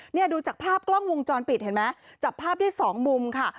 เนี่ยดูจากภาพกล้องวงจรปิดเห็นไหมจับภาพได้สองมุมค่ะ